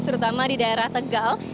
terutama di daerah tegal